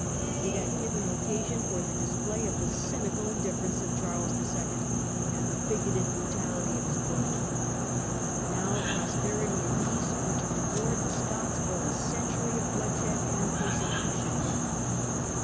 It had given occasion for the display of the cynical indifference of Charles II., and the bigoted bru tality of his brother. Now prosperity and peace were to reward the Scots for a century of bloodshed and persecu tion.